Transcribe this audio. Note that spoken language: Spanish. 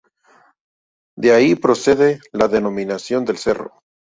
De ahí procede la denominación del cerro.